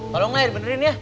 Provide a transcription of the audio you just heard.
tolong lah ya dibenderin ya